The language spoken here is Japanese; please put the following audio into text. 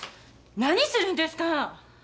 何するんですか？